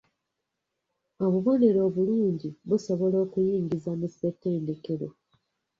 Obubonero obulungi busobola okuyingiza mu ssetendekero.